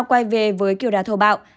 quay về với kiểu đá thổ bạo